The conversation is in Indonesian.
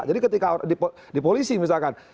jadi ketika di polisi misalkan